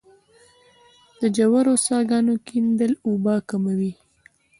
د ژورو څاګانو کیندل اوبه کموي